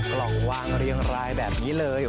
กล่องวางเรียงรายแบบนี้เลย